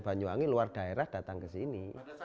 banyuwangi luar daerah datang ke sini